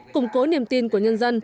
củng cố niềm tin của nhân dân